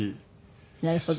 なるほど。